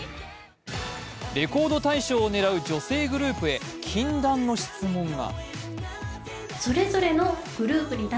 レコード大賞を狙う女性グループへ禁断の質問が。